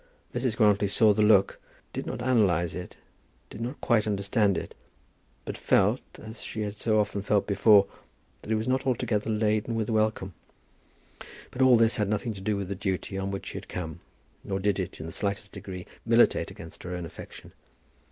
Mrs. Grantly saw the look, did not analyse it, did not quite understand it, but felt, as she had so often felt before, that it was not altogether laden with welcome. But all this had nothing to do with the duty on which she had come; nor did it, in the slightest degree, militate against her own affection.